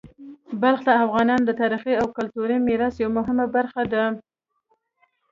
بلخ د افغانانو د تاریخي او کلتوري میراث یوه مهمه برخه ده.